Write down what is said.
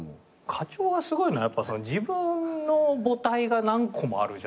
課長がすごいのはやっぱ自分の母体が何個もあるじゃないですか。